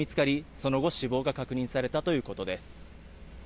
その後、死亡が確認されたということです。